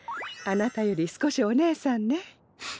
あなたより少しお姉さんね。